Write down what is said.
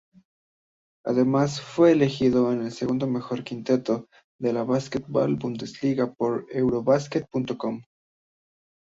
Además, fue elegido en el "segundo mejor quinteto" de la Basketball Bundesliga por "Eurobasket.com".